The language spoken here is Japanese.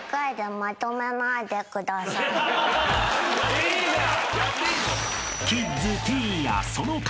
いいじゃん！